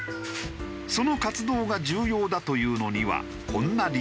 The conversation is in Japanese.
その活動が重要だというのにはこんな理由が。